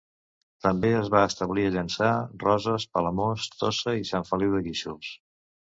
També es van establir a Llançà, Roses, Palamós, Tossa i Sant Feliu de Guíxols.